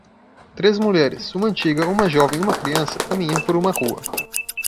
Três mulheres? uma antiga? uma jovem e uma criança? caminham por uma rua.